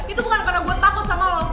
itu bukan karena buat takut sama lo